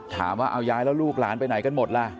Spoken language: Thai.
ถามว่าเอาย้ายแล้วลูกหลานไปไหนกันหมดล่ะ